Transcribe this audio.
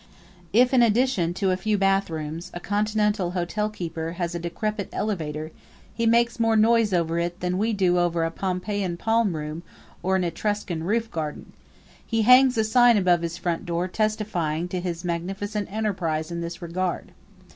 If in addition to a few bathrooms a Continental hotelkeeper has a decrepit elevator he makes more noise over it than we do over a Pompeian palmroom or an Etruscan roofgarden; he hangs a sign above his front door testifying to his magnificent enterprise in this regard.